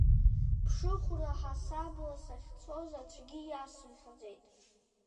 Ԥшыхәра ҳасабла сахьцоз аӡәгьы иасымҳәаӡеит.